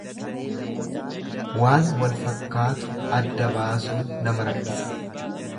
Waan wal fakkaatu adda baasuun nama rakkisa.